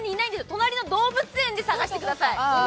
隣の動物園で探してください。